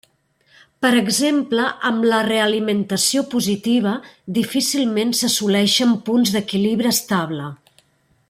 Per exemple amb la realimentació positiva, difícilment s'assoleixen punts d'equilibri estable.